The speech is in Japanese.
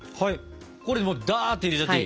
これもうダって入れちゃっていい？